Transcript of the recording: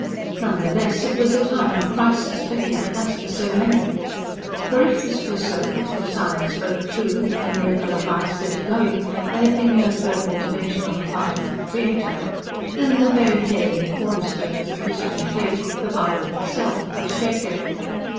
None the less it was a time of crisis, for him, as for so many. For, if this were so, if science spoke true that, the miracle of life set a going, there had been no further intervention on the part of the Creator, then the very head and corner stone of the Christian faith, the Bible itself, was shaken.